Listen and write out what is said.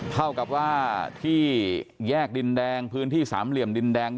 เท่ากับว่าที่แยกดินแดงพื้นที่สามเหลี่ยมดินแดง